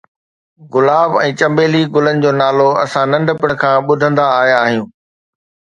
گلاب ۽ چنبيلي گلن جو نالو اسان ننڍپڻ کان ٻڌندا آيا آهيون.